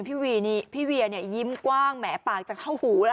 พี่เวียเนี่ยยิ้มกว้างแหมปากจะเข้าหูแล้ว